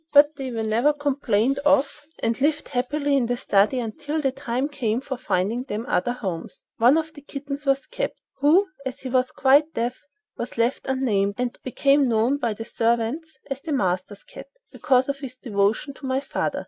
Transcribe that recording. But they were never complained of and lived happily in the study until the time came for finding them other homes. One of these kittens was kept, who, as he was quite deaf, was left unnamed, and became known by the servants as "the master's cat," because of his devotion to my father.